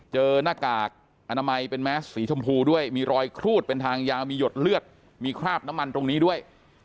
หน้ากากอนามัยเป็นแมสสีชมพูด้วยมีรอยครูดเป็นทางยาวมีหยดเลือดมีคราบน้ำมันตรงนี้ด้วย